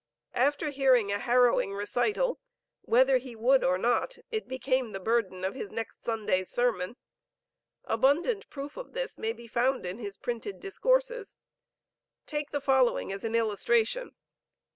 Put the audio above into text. After hearing a harrowing recital, whether he would or not, it became the burden of his next Sunday's sermon. Abundant proof of this may be found in his printed discourses. Take the following as an illustration.